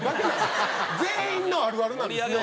全員のあるあるなんですね。